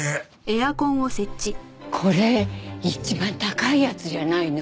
これ一番高いやつじゃないの？